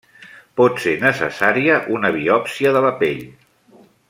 Pot ser necessària una biòpsia de la pell.